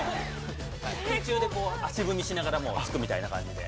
◆空中で足踏みしながらつくみたいな感じで。